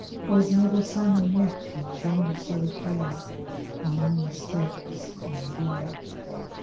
Was never salmon yet that shone so fair Among the stakes on Dee."